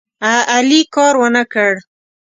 علي کار ونه کړ.